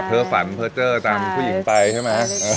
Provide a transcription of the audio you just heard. เพ้อฝันเพ้อเจ้อตามผู้หญิงไปใช่ไหม